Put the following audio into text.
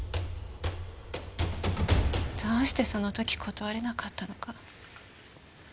どうしてその時断れなかったのか。